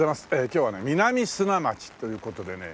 今日は南砂町という事でね。